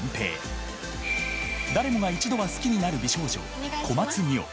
誰もが一度は好きになる美少女小松澪。